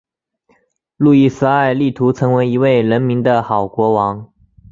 路易十二力图成为一位人民的好国王。